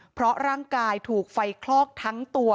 เพราะร่างกายถูกไฟคลอกทั้งตัว